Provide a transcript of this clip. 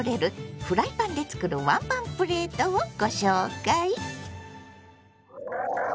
フライパンで作るワンパンプレートをご紹介！